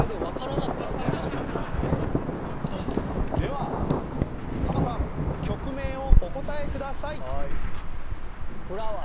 ではハマさん曲名をお答えください。